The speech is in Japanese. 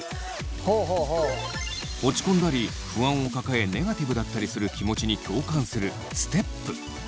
落ち込んだり不安を抱えネガティブだったりする気持ちに共感するステップ。